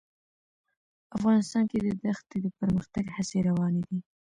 افغانستان کې د دښتې د پرمختګ هڅې روانې دي.